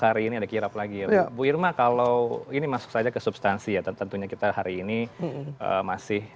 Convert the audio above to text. hari ini ada kirap lagi bu irma kalau ini masuk saja ke substansi ya tentunya kita hari ini masih